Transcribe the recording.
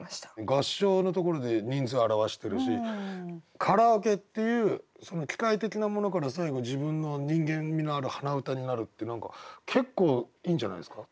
「合唱」のところで人数表してるし「カラオケ」っていう機械的なものから最後自分の人間味のある「鼻歌」になるって何か結構いいんじゃないですか。